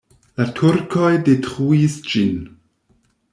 La turkoj detruis ĝin.